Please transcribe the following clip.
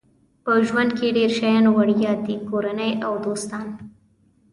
په ژوند کې ډېر شیان وړیا دي کورنۍ او دوستان.